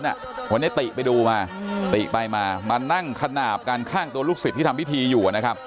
วันนี้ติไปดูมาติไปมามานั่งขนาดกันข้างตัวลูกศิษย์ที่ทำพิธีอยู่นะครับ